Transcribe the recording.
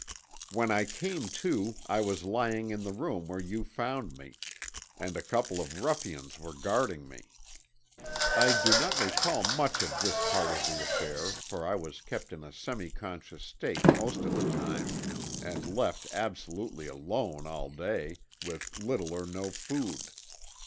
"When I came to I was lying in the room where you found me, and a couple of ruffians were guarding me. I do not recall much of this part of the affair, for I was kept in a semi conscious state most of the time and left absolutely alone all day, with little or no food.